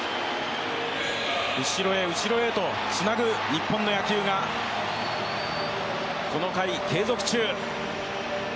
後ろへ後ろへとつなぐ日本の野球がこの回、継続中。